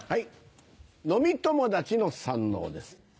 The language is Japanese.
飲み友達の三ＮＯです。